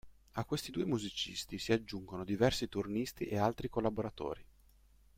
A questi due musicisti si aggiungono diversi turnisti e altri collaboratori.